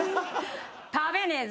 食べねえぜ。